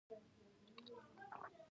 ژبه د بدلون وسیله ده.